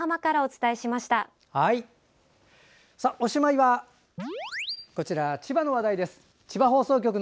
おしまいは千葉の話題です。